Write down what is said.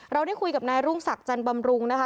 เราได้คุยกับนายรุ่งศักดิ์จันบำรุงนะคะ